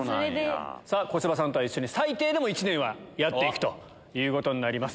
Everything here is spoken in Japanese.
小芝さんと一緒に最低でも１年はやって行くことになります。